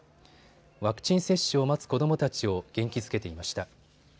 ワクチン接種を待つ子どもたちを元気づけていました。